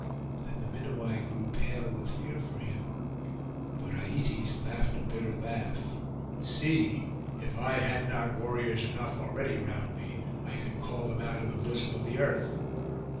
Then the Minuai grew pale with fear for him; but Aietes laughed a bitter laugh. 'See! if I had not warriors enough already round me, I could call them out of the bosom of the earth.